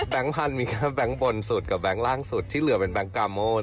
พันธุ์มีแค่แบงค์บนสุดกับแบงค์ล่างสุดที่เหลือเป็นแบงค์กาโมน